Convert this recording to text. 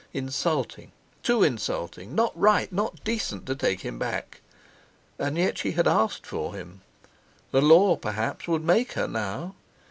Insulting! Too insulting! Not right, not decent to take him back! And yet she had asked for him; the Law perhaps would make her now!